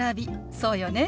そうよね。